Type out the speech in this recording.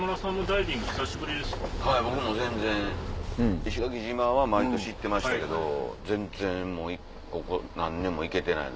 はい僕も全然。石垣島は毎年行ってましたけど全然もうここ何年も行けてない。